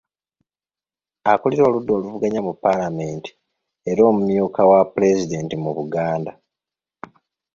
Akulira oludda oluvuganya mu paalamenti era omumyuka wa pulezidenti mu Buganda.